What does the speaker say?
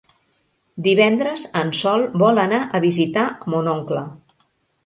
Divendres en Sol vol anar a visitar mon oncle.